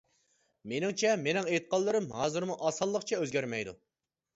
مېنىڭچە، مېنىڭ ئېيتقانلىرىم ھازىرمۇ ئاسانلىقچە ئۆزگەرمەيدۇ.